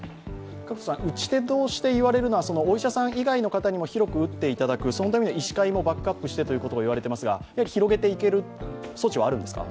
打ち手としていわれるのはお医者さん以外の方にも広く打っていただくそのためには医師会もバックアップしてと言われていますが広げていける措置はあるんですか。